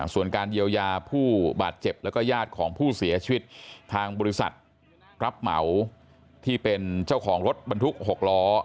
ส่วนการเยียวยาผู้บาดเจ็บแล้วก็ญาติของผู้เสียชีวิตทางบริษัทรับเหมาที่เป็นเจ้าของรถบรรทุก๖ล้อ